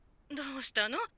どうしたの？